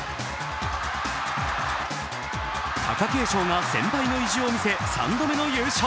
貴景勝が先輩の意地を見せ３度目の優勝。